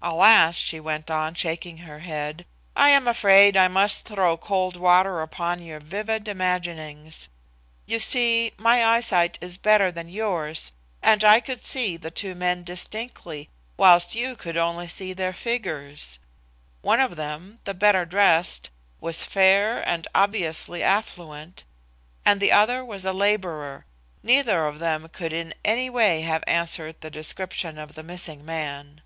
"Alas!" she went on, shaking her head, "I am afraid I must throw cold water upon your vivid imaginings. You see, my eyesight is better than yours and I could see the two men distinctly, whilst you could only see their figures. One of them, the better dressed, was fair and obviously affluent, and the other was a labourer. Neither of them could in any way have answered the description of the missing man."